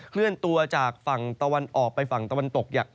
เลื่อนตัวจากฝั่งตะวันออกไปฝั่งตะวันตกอย่าง